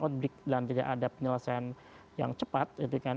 outbreak dan tidak ada penyelesaian yang cepat